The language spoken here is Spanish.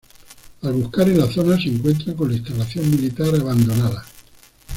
Al buscar en la zona se encuentran con la instalación militar abandonada.